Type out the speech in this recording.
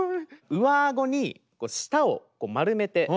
上あごに舌を丸めて。